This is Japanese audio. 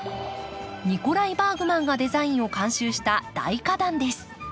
ニコライ・バーグマンがデザインを監修した大花壇です。